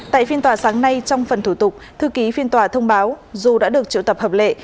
tại phiên tòa sáng nay trong phần thủ tục thư ký phiên tòa thông báo dù đã được triệu tập hợp lệ